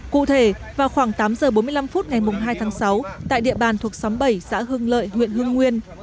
cụ thể vào khoảng tám giờ bốn mươi năm phút ngày hai tháng sáu tại địa bàn thuộc xóm bảy xã hưng lợi huyện hương nguyên